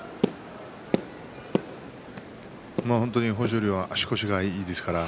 本当に豊昇龍は足腰がいいですから